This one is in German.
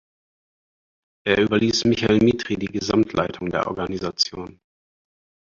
Er überließ Michael Mitri die Gesamtleitung der Organisation.